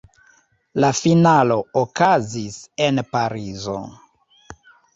La finalo okazis en Parizo.